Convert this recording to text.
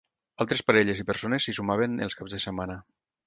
Altres parelles i persones s'hi sumaven els caps de setmana.